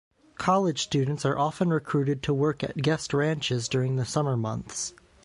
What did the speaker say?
College students are often recruited to work at guest ranches during the summer months.